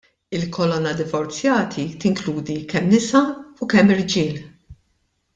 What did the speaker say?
Il-kolonna " Divorzjati " tinkludi kemm nisa u kemm irġiel.